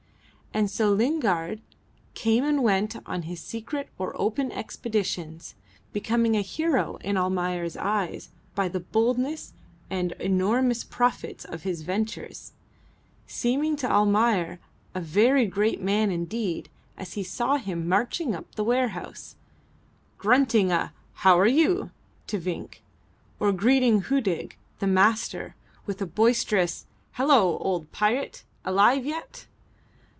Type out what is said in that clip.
And so Lingard came and went on his secret or open expeditions, becoming a hero in Almayer's eyes by the boldness and enormous profits of his ventures, seeming to Almayer a very great man indeed as he saw him marching up the warehouse, grunting a "how are you?" to Vinck, or greeting Hudig, the Master, with a boisterous "Hallo, old pirate! Alive yet?"